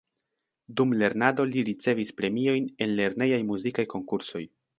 Dum lernado li ricevis premiojn en lernejaj muzikaj konkursoj.